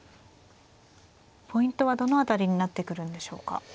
ポイントはどの辺りになってくるんでしょうか。